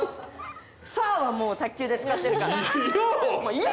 「サー！」はもう卓球で使ってるから。